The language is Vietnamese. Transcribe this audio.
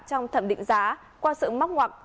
trong thẩm định giá qua sự móc ngọc